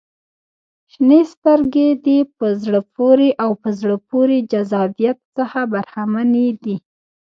• شنې سترګې د په زړه پورې او په زړه پورې جذابیت څخه برخمنې دي.